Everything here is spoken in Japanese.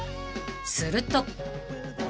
［すると］